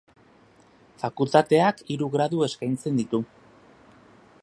Fakultateak hiru gradu eskaintzen ditu.